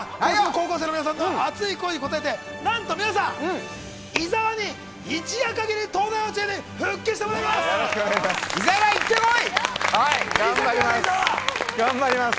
高校生の皆さんの熱い声に応えてなんと皆さん、伊沢に一夜限り、東大王チームに復帰してもらいます！